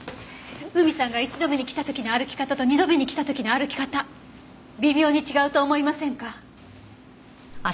海さんが１度目に来た時の歩き方と２度目に来た時の歩き方微妙に違うと思いませんか？